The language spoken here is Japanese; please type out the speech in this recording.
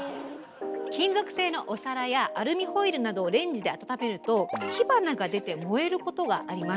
金属製のお皿やアルミホイルなどをレンジであっためると火花が出て燃えることがあります。